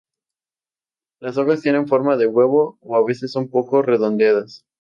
Las hojas tienen forma de huevo o a veces un poco redondeadas.